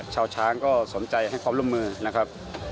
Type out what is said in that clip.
ชาวช้างก็สนใจให้ความร่วมมือนะครับ